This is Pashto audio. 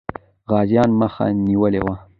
غازيان مخه نیولې وه.